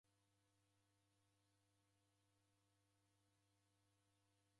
Vindo veko vaenga sokonyi.